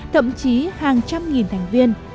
thậm chí hàng trăm nghìn thành viên